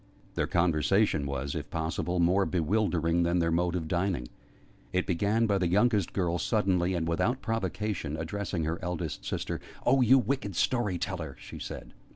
Their conversation was, if possible, more bewildering than their mode of dining. It began by the youngest girl suddenly, and without provocation, addressing her eldest sister. "Oh, you wicked story teller!" she said.